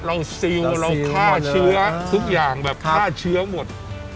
ซิลเราฆ่าเชื้อทุกอย่างแบบฆ่าเชื้อหมด